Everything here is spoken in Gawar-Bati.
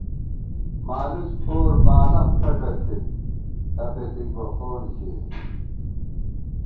مالُڅ پور بالَخ کھٹہ تھِت، ݪپے دِک بہ خون ݪِیَئ